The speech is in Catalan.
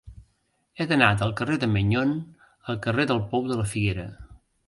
He d'anar del carrer de Maignon al carrer del Pou de la Figuera.